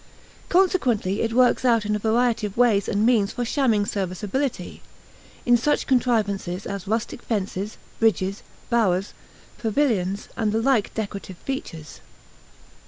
Consequently it works out in a variety of ways and means for shamming serviceability in such contrivances as rustic fences, bridges, bowers, pavilions, and the like decorative features.